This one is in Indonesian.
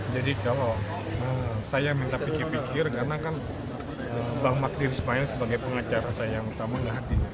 jadi kalau saya minta pikir pikir karena kan bang maktir ismail sebagai pengacara saya yang utama tidak hadir